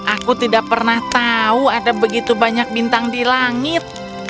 aku tidak pernah tahu ada begitu banyak bintang di langit